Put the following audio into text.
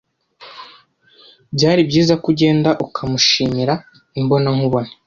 Byari byiza ko ugenda ukamushimira imbonankubone.